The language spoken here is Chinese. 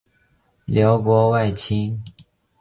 辽国外戚。